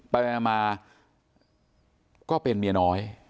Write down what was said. ไปมาก็เป็นเมียน้อย